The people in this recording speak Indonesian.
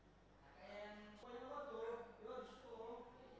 misalnya kita bisa mendapatkan objek apa saja yang berpura que